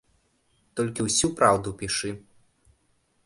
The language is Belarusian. Толькі ўсю праўду пішы.